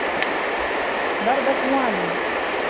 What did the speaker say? ضَرْبَة مُعَلِّمٍ